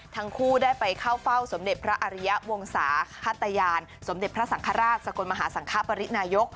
ทั้งคู่ได้ไปเข้าเฝ้าสมเด็จพระอริยะวงศาฮัตยานสมเด็จพระสังฆราชสกลมหาสังคปรินายก